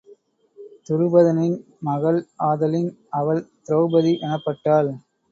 துருபதனின் மகள் ஆதலின் அவள் திரெளபதி எனப்பட்டாள்.